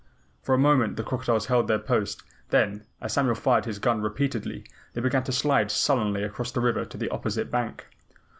For a moment the crocodiles held their post, then, as Samuel fired his gun repeatedly, they began to slide sullenly across the river to the opposite bank.